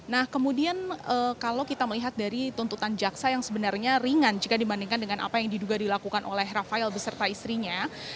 nah kemudian kalau kita melihat dari tuntutan jaksa yang sebenarnya ringan jika dibandingkan dengan apa yang diduga dilakukan oleh rafael beserta istrinya